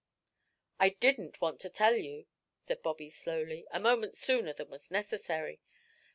"I didn't want to tell you," said Bobby, slowly, "a moment sooner than was necessary.